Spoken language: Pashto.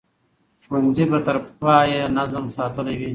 ښوونځي به تر پایه نظم ساتلی وي.